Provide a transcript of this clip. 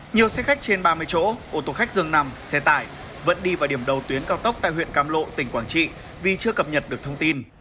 nhiều xe khách trên ba mươi chỗ ô tô khách dường nằm xe tải vẫn đi vào điểm đầu tuyến cao tốc tại huyện cam lộ tỉnh quảng trị vì chưa cập nhật được thông tin